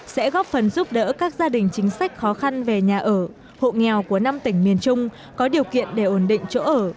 sẽ góp phần giúp đỡ các gia đình chính sách khó khăn về nhà ở hộ nghèo của năm tỉnh miền trung có điều kiện để ổn định chỗ ở